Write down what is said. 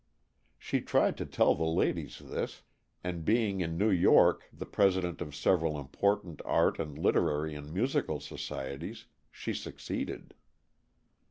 She tried to tell the ladies this, and being in New York the president of several important art and literary and musical societies, she succeeded.